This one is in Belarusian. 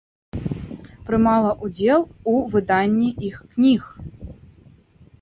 Прымала ўдзел у выданні іх кніг.